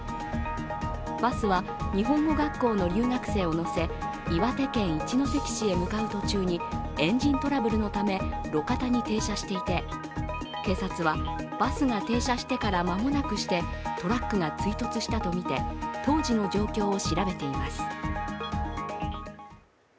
バスは日本語学校の留学生を乗せ、岩手県一関市へ向かう途中にエンジントラブルのため、路肩に停車していて、警察はバスが停車してから間もなくしてトラックが追突したとみて当時の状況を調べています。